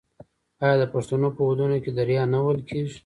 آیا د پښتنو په ودونو کې دریا نه وهل کیږي؟